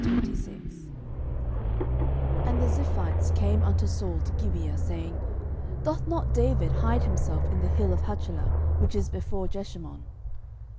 09:026:001 And the Ziphites came unto Saul to Gibeah, saying, Doth not David hide himself in the hill of Hachilah, which is before Jeshimon?